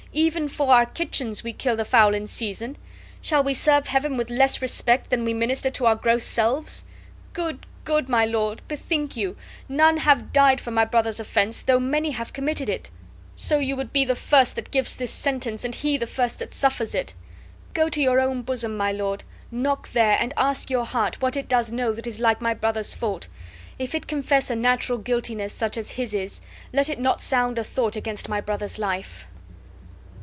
Even for our kitchens we kill the fowl in season; shall we serve Heaven with less respect than we minister to our gross selves? Good, good, my lord, bethink you, none have died for my brother's offense, though many have committed it. So you would be the first that gives this sentence and he the first that suffers it. Go to your own bosom, my lord; knock there, and ask your heart what it does know that is like my brother's fault; if it confess a natural guiltiness such as his is, let it not sound a thought against my brother's life!"